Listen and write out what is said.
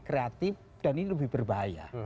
kreatif dan ini lebih berbahaya